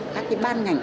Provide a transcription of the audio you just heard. các cái ban ngành